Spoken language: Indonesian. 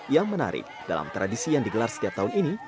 yang menarik dalam tradisi yang digelar setiap tahun ini